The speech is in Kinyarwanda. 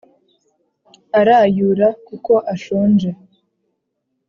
arayura kuko ashonje